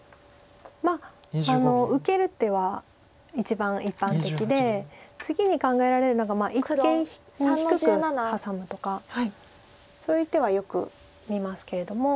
まあ受ける手は一番一般的で次に考えられるのが一間に低くハサむとかそういう手はよく見ますけれども。